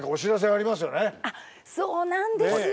あっそうなんですよ